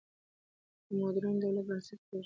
د موډرن دولت بنسټ کېږدي.